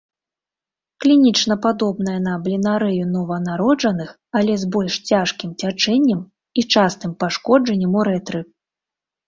Клінічна падобная на бленарэю нованароджаных, але з больш цяжкім цячэннем і частым пашкоджаннем урэтры.